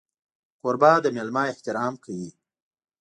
کوربه د مېلمه احترام کوي.